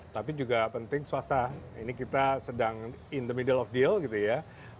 tapi juga penting swasta ini kita sedang in the middle of deal gitu ya